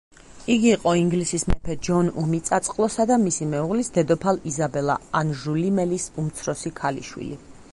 იგი იყო ინგლისის მეფე ჯონ უმიწაწყლოსა და მისი მეუღლის, დედოფალ იზაბელა ანჟულიმელის უმცროსი ქალიშვილი.